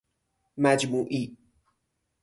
مجموعی